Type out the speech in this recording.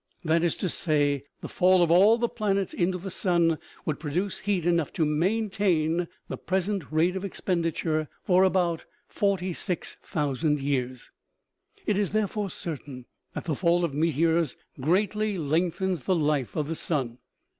That is to say, the fall of all the planets into the sun would produce heat enough to maintain the present rate of expenditure for about 46,000 years. It is therefore certain that the fall of meteors greatly lengthens the life of the sun.